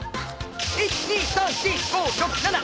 １２３４５６７。